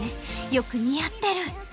よく似合ってる！